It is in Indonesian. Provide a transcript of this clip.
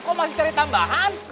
kok masih cari tambahan